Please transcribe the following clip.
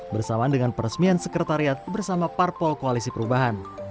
bersamaan dengan peresmian sekretariat bersama parpol koalisi perubahan